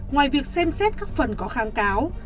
ngoài việc xem xét các phần có kháng cáo